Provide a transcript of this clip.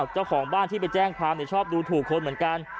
เจ้าของบ้านที่ไปแจ้งความชอบดูถูกคนเหมือนกัน